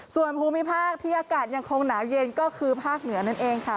ส่วนภูมิภาคที่อากาศยังคงหนาวเย็นก็คือภาคเหนือนั่นเองค่ะ